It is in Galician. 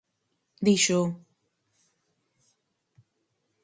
Dixo...